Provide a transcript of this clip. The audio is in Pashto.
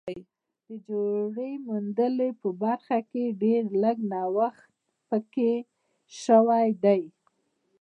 د جوړې موندلو برخه کې ډېر لږ نوښت پکې شوی دی